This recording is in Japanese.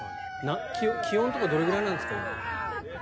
気温とかどれくらいなんですか？